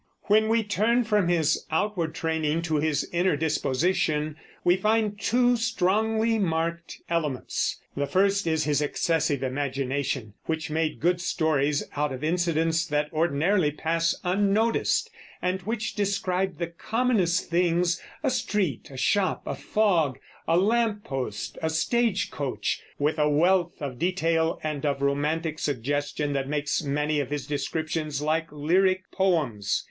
When we turn from his outward training to his inner disposition we find two strongly marked elements. The first is his excessive imagination, which made good stories out of incidents that ordinarily pass unnoticed, and which described the commonest things a street, a shop, a fog, a lamp post, a stagecoach with a wealth of detail and of romantic suggestion that makes many of his descriptions like lyric poems.